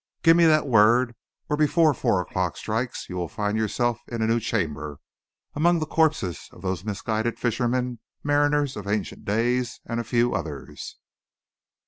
Give me that word, or before four o'clock strikes, you will find yourself in a new chamber, among the corpses of those misguided fishermen, mariners of ancient days, and a few others.